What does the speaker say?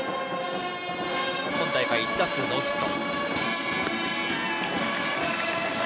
今大会１打数ノーヒット。